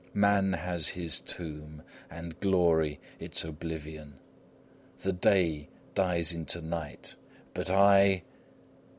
Man has his tomb, and glory its oblivion; the day dies into night but I